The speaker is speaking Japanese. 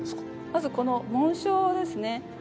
まずこの紋章ですね。